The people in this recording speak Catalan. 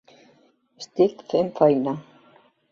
Estic fent feina!